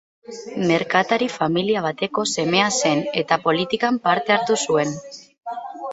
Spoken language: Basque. Merkatari-familia bateko semea zen, eta politikan parte hartu zuen.